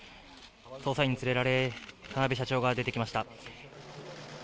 捜査員に連れられ、田辺社長が出てきました。